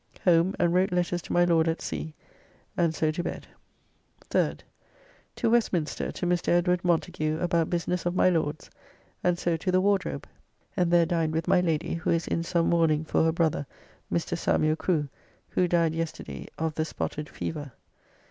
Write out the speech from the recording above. Home and wrote letters to my Lord at sea, and so to bed. 3rd. To Westminster to Mr. Edward Montagu about business of my Lord's, and so to the Wardrobe, and there dined with my Lady, who is in some mourning for her brother, Mr. Saml. Crew, who died yesterday of the spotted fever.